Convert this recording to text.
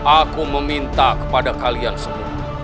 aku meminta kepada kalian semua